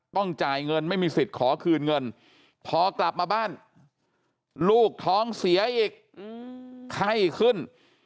ต้องจ่ายเงินไม่มีสิทธิ์ขอคืนเงินพอกลับมาบ้านลูกท้องเสียอีกไข้ขึ้น